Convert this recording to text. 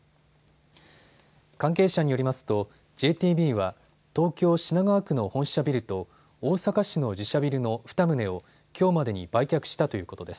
関係者によりますとＪＴＢは東京品川区の本社ビルと大阪市の自社ビルの２棟をきょうまでに売却したということです。